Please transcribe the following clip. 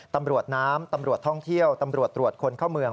ตำรวจน้ำตำรวจท่องเที่ยวตำรวจตรวจคนเข้าเมือง